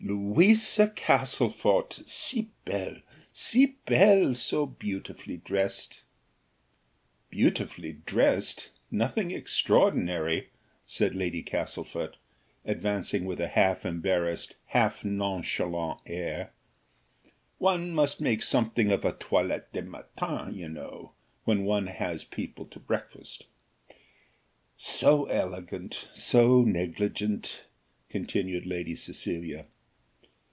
"Louisa Castlefort, si belle, si belle, so beautifully dressed!" "Beautifully dressed nothing extraordinary!" said Lady Castlefort, advancing with a half embarrassed, half nonchalant air, "One must make something of a toilette de matin, you know, when one has people to breakfast." "So elegant, so negligent!" continued Lady Cecilia.